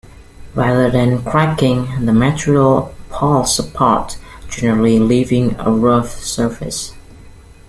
Rather than cracking, the material "pulls apart," generally leaving a rough surface.